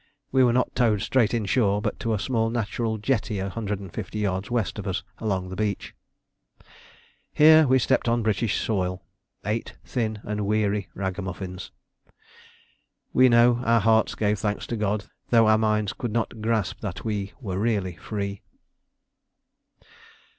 We were not towed straight inshore, but to a small natural jetty a hundred and fifty yards west of us along the beach. Here we stepped on British soil, eight thin and weary ragamuffins. We know our hearts gave thanks to God, though our minds could not grasp that we were really free.